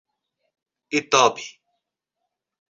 Itobi